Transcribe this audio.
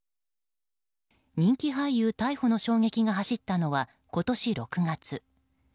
人気俳優逮捕の衝撃が走ったのは今年６月。